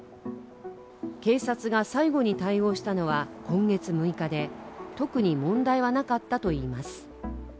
警察が最後に対応したのは今月６日で、特に問題はなかったといいます。